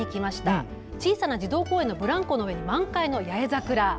近くの小さな児童公園のブランコの上に満開の八重桜が。